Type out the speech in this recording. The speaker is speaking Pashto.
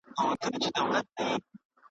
تاند او شین زرغون مي دی له دوی د زړګي کلی .